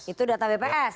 itu data bps